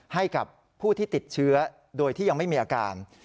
ให้กับผู้ที่ติดเชื้อโดยที่ยังไม่มีอาการ